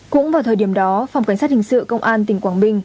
cũng vào thời điểm đó phòng cảnh sát hình sự công an tỉnh quảng bình